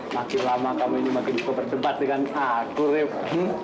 makin lama kamu ini makin suka berdebat dengan aku rip